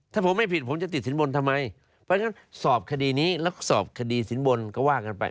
ถ้าผมไม่ผิดผมจะติดสินบนทำไมเพราะฉะนั้นสอบคดีนี้แล้วก็สอบคดีสินบนก็ว่ากันไป